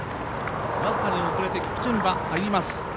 僅かに遅れてキプチュンバ、入ります。